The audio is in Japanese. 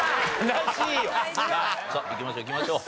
さあいきましょういきましょう。